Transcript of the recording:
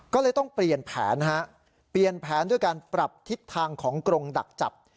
ก็เลยต้องเปลี่ยนแผนฮะเปลี่ยนแผนด้วยการปรับทิศทางของกรงดักจับ